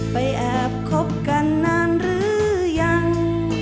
แอบคบกันนานหรือยัง